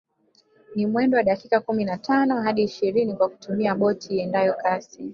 Ni mwendo wa dakika kumi na tano hadi ishirini kwa kutumia boti iendayo kasi